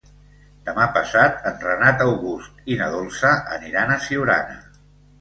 Demà passat en Renat August i na Dolça aniran a Siurana.